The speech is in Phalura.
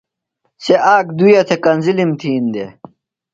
سےۡ آک دُیہ تھےۡ کنزِلِم تِھین دےۡ۔